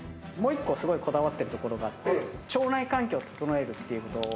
もう１個こだわってるところがあって、腸内環境を整えること。